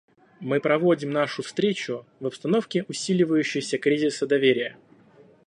Мы проводим нашу встречу в обстановке усиливающегося кризиса доверия.